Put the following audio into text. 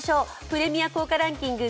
プレミア硬貨ランキング